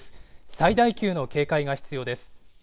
最大級の警戒が必要です。